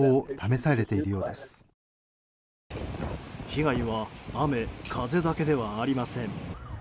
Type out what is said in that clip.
被害は雨風だけではありません。